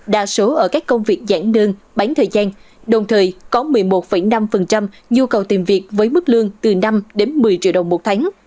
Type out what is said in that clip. đa số ở các công việc giãn đơn bán thời gian đồng thời có một mươi một năm nhu cầu tìm việc với mức lương từ năm đến một mươi triệu đồng một tháng